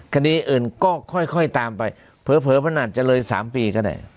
คดีอื่นก็ค่อยตามไปเผลอมันอาจจะเลย๓ปีก็ได้